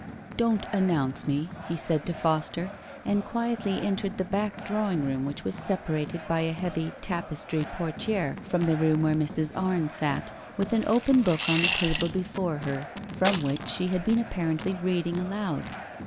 "£)on't announce me," he said to Foster, and quietly entered the back drawing room, which was separated by a heavy tapestry portiere from the room where Mrs. Arne sat, with an open book on the table before her, from which she had been apparently reading aloud.